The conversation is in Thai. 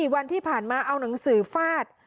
วันที่ผ่านมาเอาหนังสือฟาด